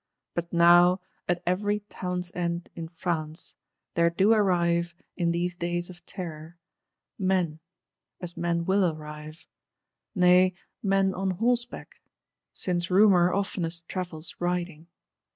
But now, at every Town's end in France, there do arrive, in these days of terror,—"men," as men will arrive; nay, "men on horseback," since Rumour oftenest travels riding.